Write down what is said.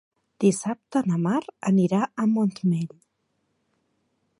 Dissabte na Mar anirà al Montmell.